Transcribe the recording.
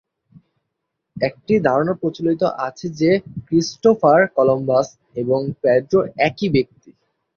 একটি ধারণা প্রচলিত আছে যে ক্রিস্টোফার কলম্বাস এবং পেড্রো একই ব্যক্তি।